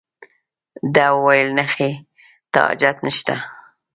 ده وویل نخښې ته حاجت نشته.